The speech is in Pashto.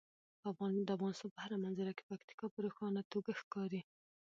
د افغانستان په هره منظره کې پکتیکا په روښانه توګه ښکاري.